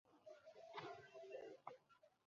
ধন্যবাদ, দেখি ভাগ্য কাজে লাগে কিনা।